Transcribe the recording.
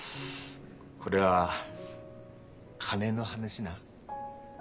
これは金の話な？